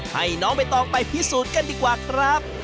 ให้น้องใบตองไปพิสูจน์กันดีกว่าครับ